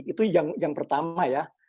itu yang pertama